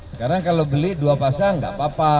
sekarang kalau beli dua pasang nggak apa apa